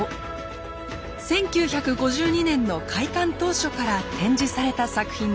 １９５２年の開館当初から展示された作品です。